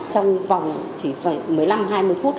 trong vòng chỉ phải một mươi năm hai mươi phút